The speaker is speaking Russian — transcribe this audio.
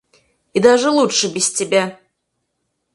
И даже лучше без тебя.